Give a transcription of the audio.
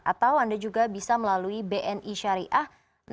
atau anda juga bisa melalui bni syariah enam puluh enam tiga ratus dua